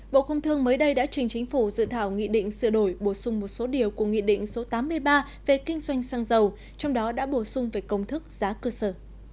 bộ công thương mới đây đã trình chính phủ dự thảo nghị định sửa đổi bổ sung một số điều của nghị định số tám mươi ba về kinh doanh xăng dầu trong đó đã bổ sung về công thức giá cơ sở